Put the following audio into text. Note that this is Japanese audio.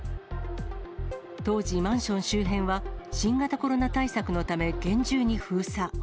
当時、マンション周辺は新型コロナ対策のため、厳重に封鎖。